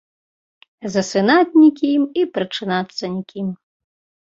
Засынаць нікім і прачынацца нікім.